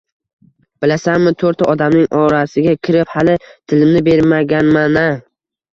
Bilasanmi, toʻrtta odamning orasiga kirib, hali tilimni bermaganman-a